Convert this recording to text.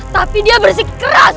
tapi dia bersikeras